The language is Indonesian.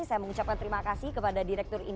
saya mengucapkan terima kasih kepada direktur